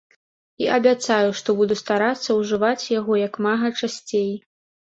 І абяцаю, што буду старацца ўжываць яго як мага часцей.